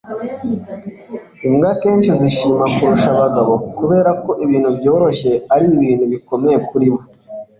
imbwa akenshi zishima kurusha abagabo kubera ko ibintu byoroshye ari ibintu bikomeye kuri bo